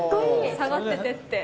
下がっててって。